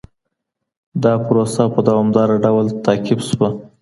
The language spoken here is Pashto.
دا پروسه په دوامداره ډول تعقيب سوه.